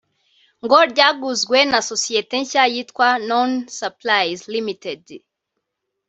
ryo ryaguzwe na sosiyete nshya yitwa Known supplies Limited